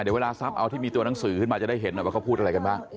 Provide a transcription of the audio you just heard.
เดี๋ยวเวลาทรัพย์เอาที่มีตัวหนังสือขึ้นมาจะได้เห็นหน่อยว่าเขาพูดอะไรกันบ้าง